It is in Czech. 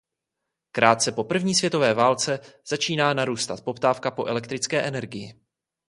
Krátce po první světové válce začíná narůstat poptávka po elektrické energii.